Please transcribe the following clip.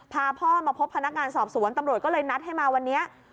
พาพ่อมาพบพนักงานสอบสวนตำรวจก็เลยนัดให้มาวันนี้